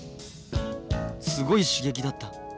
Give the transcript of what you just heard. すごい刺激だった。